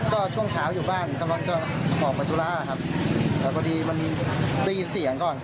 ก็ช่วงเช้าอยู่บ้านกำลังจะออกไปธุระครับแต่พอดีมันได้ยินเสียงก่อน